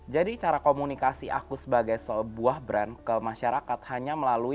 jadi cara komunikasi aku sebagai sebuah brand ke masyarakat hanya melalui